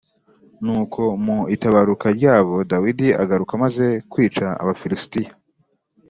Nuko mu itabaruka ryabo Dawidi agaruka amaze kwica Abafilisitiya